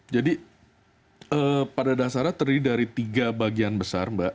jadi pada dasarnya terdiri dari tiga bagian besar mbak